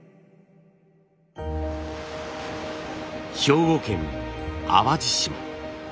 兵庫県淡路島。